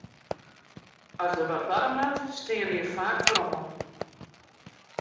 As der wat barre moat, steane je faak foaroan.